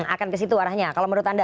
akan ke situ arahnya kalau menurut anda